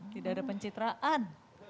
tidak ada pencitraan